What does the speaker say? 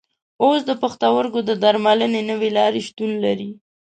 اوس د پښتورګو د درملنې نوې لارې شتون لري.